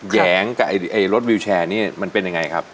แหยงกับรถวิวแชร์นี่มันเป็นยังไงครับ